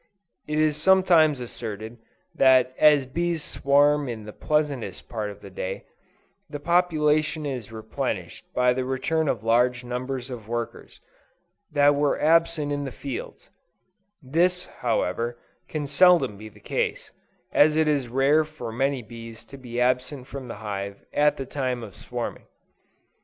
It is sometimes asserted that as bees swarm in the pleasantest part of the day, the population is replenished by the return of large numbers of workers that were absent in the fields; this, however, can seldom be the case, as it is rare for many bees to be absent from the hive at the time of swarming.